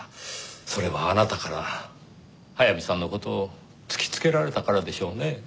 それはあなたから早見さんの事を突きつけられたからでしょうねぇ。